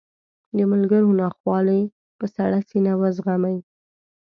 د ملګرو ناخوالې په سړه سینه وزغمي.